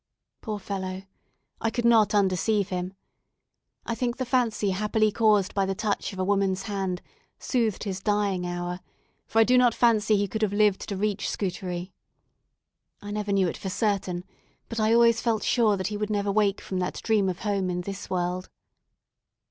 Poor fellow! I could not undeceive him. I think the fancy happily caused by the touch of a woman's hand soothed his dying hour; for I do not fancy he could have lived to reach Scutari. I never knew it for certain, but I always felt sure that he would never wake from that dream of home in this world.